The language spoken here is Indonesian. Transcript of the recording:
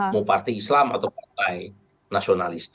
mau partai islam atau partai nasionalis